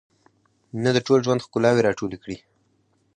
• ته د ټول ژوند ښکلاوې راټولې کړې.